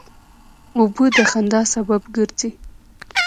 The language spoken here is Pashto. اوبه د خندا سبب ګرځي.